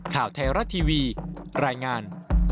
ข่าวไทยรัฐทีวีรายงาน